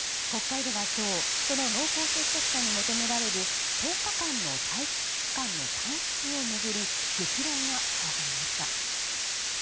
国会では今日その濃厚接触者に求められる１０日間の待機期間の短縮を巡り激論が交わされました。